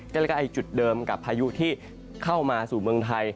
ก็เลยจุดเดิมกับพายุที่เข้ามาสู่เมืองไทย